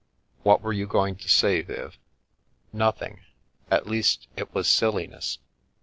What were you going to say, Viv?" " Nothing. At least it was silliness.